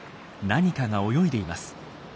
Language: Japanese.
何かが泳いでいます。